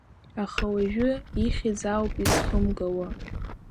Аха уажәы ихьыӡ ауп изхымгауа…